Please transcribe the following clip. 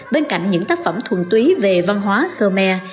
bên cạnh những tác phẩm thuần túy về văn hóa khmer